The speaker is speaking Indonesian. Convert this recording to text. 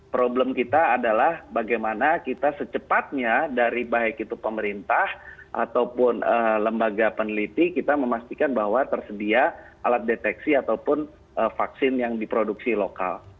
problem kita adalah bagaimana kita secepatnya dari baik itu pemerintah ataupun lembaga peneliti kita memastikan bahwa tersedia alat deteksi ataupun vaksin yang diproduksi lokal